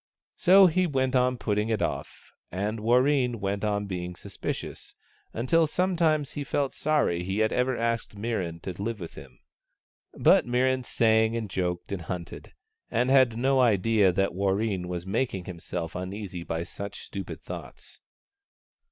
So he went on putting it off, and Warreen went on being suspicious, until some times he felt sorry he had ever asked Mirran to live with him. But Mirran sang and joked, and hunted, and had no idea that Warreen was making himself uneasy by such stupid thoughts.